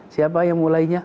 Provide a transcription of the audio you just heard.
siapa yang mulainya